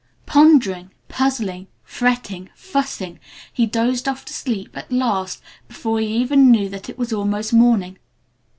Pondering, puzzling, fretting, fussing, he dozed off to sleep at last before he even knew that it was almost morning.